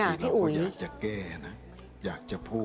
คือเราก็อยากจะแก้นะอยากจะพูด